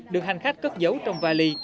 được hành khách cất giấu trong vali